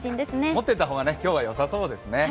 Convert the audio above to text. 持っていった方が今日はよさそうですね